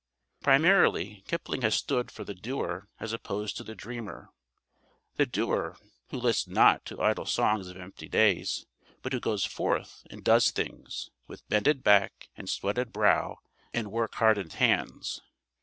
Primarily, Kipling has stood for the doer as opposed to the dreamer the doer, who lists not to idle songs of empty days, but who goes forth and does things, with bended back and sweated brow and work hardened hands.